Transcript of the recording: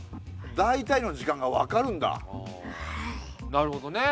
なるほどね。